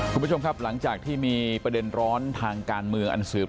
คุณผู้ชมครับหลังจากที่มีประเด็นร้อนทางการเมืองอันสืบ